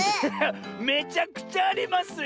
めちゃくちゃありますよ！